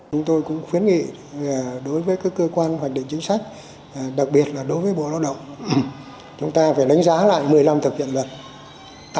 chúng tôi cũng khuyến nghị đối với các cơ quan hoạch định chính sách đặc biệt là đối với bộ lao động chúng ta phải đánh giá lại một mươi năm thực hiện luật